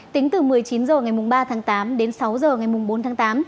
tính từ một mươi chín h ngày ba tháng tám đến sáu h ngày bốn tháng tám